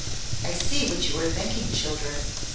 "I see what you are thinking, children.